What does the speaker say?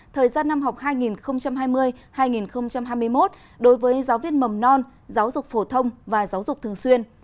thời gian năm học hai nghìn hai mươi hai nghìn hai mươi một đối với giáo viên mầm non giáo dục phổ thông và giáo dục thường xuyên